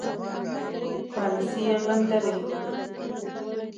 پالیسي یې غندلې.